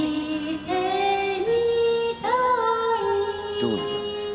上手じゃないですか。